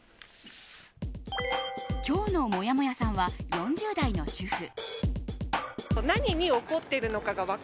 今日のもやもやさんは４０代の主婦。